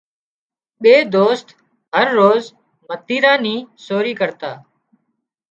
ٻي دوست هروز متيران ني سوري ڪرتا